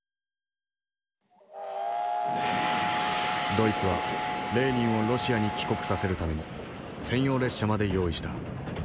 ドイツはレーニンをロシアに帰国させるために専用列車まで用意した。